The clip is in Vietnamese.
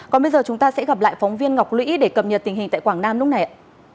còn bây giờ chúng ta sẽ gặp lại phóng viên ngọc lũy để cập nhật tình hình tại quảng nam lúc này ạ